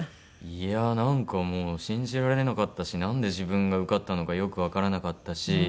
いやあなんかもう信じられなかったしなんで自分が受かったのかよくわからなかったし。